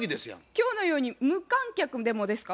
今日のように無観客でもですか？